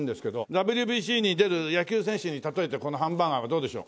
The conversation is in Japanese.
ＷＢＣに出る野球選手に例えてこのハンバーガーはどうでしょう？